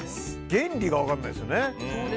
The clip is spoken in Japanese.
原理が分からないですよね。